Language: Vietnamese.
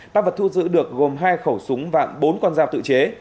tăng vật thu giữ được gồm hai khẩu súng và bốn con dao tự chế